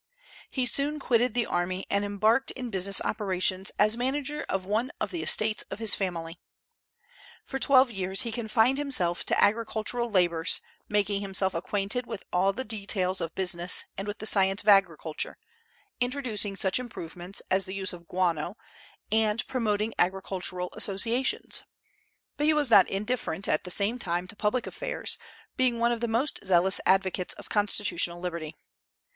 He soon quitted the army, and embarked in business operations as manager of one of the estates of his family. For twelve years he confined himself to agricultural labors, making himself acquainted with all the details of business and with the science of agriculture, introducing such improvements as the use of guano, and promoting agricultural associations; but he was not indifferent at the same time to public affairs, being one of the most zealous advocates of constitutional liberty.